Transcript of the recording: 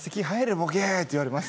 ボケ」って言われます